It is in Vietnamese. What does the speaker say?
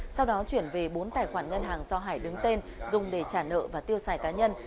sau đó chuyển về bốn tài khoản ngân hàng do hải đứng tên dùng để trả nợ và tiêu xài cá nhân